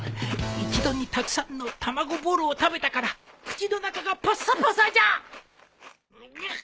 一度にたくさんの卵ボーロを食べたから口の中がパッサパサじゃ！うっ。